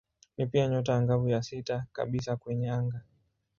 Ni pia nyota angavu ya sita kabisa kwenye anga.